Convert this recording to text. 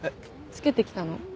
つけて来たの？